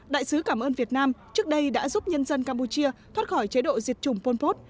đại sứ cảm ơn việt nam trước đây đã giúp nhân dân campuchia thoát khỏi chế độ diệt chủng pol pot